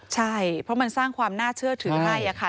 ใช่เพราะมันสร้างความน่าเชื่อถือให้ค่ะ